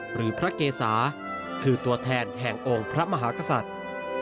แห่งองค์พระมหากษัตริย์